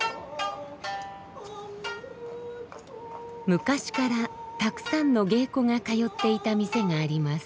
昔からたくさんの芸妓が通っていた店があります。